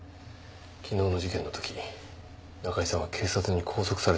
昨日の事件の時中井さんは警察に拘束されていました